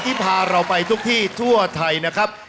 ที่พาเราไปทุกที่ทั่วไทยนะครับ